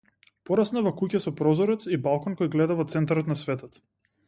Пораснав во куќа со прозорец и балкон кој гледа во центарот на светот.